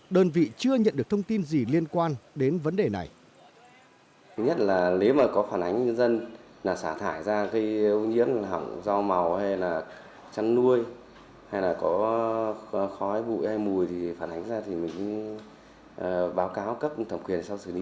đơn vị chưa nhận được thông tin gì liên quan đến vấn đề này